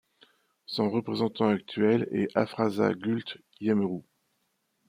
Son représentant actuel est Afrasa Gulte Yemru.